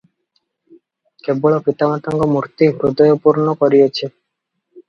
କେବଳ ପିତାମାତାଙ୍କ ମୂର୍ତ୍ତି ହୃଦୟ ପୂର୍ଣ୍ଣ କରିଅଛି ।